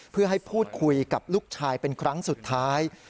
เพื่อให้พูดคุยกับลูกชายเป็นครั้งสุดท้าย